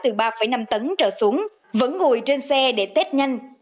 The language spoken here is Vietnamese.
tải từ ba năm tấn trở xuống vẫn ngồi trên xe để test nhanh